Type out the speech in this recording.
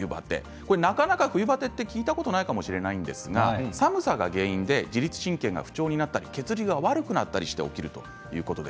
これ、なかなか冬バテって聞いたことないかもしれないですが寒さが原因で自律神経が不調になったり血流が悪くなったりして起きるそうです。